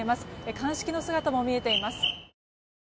鑑識の姿も見えています。